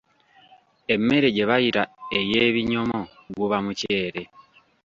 Emmere gye bayita ey’ebinyomo guba muceere.